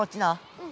うん。